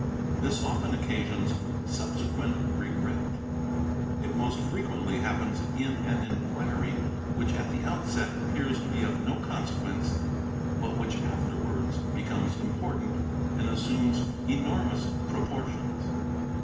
This often" occasions subsequent regret; it most frequently happens in an inqui which at the outset appears to be of no consequence but which afterwards becomes important and assumes enormous proportions.